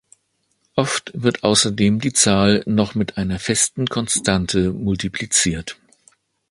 Oft wird außerdem die Zahl noch mit einer festen Konstante multipliziert.